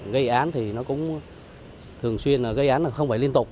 gây án thì nó cũng thường xuyên gây án là không phải liên tục